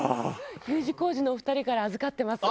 Ｕ字工事のお二人から預かってます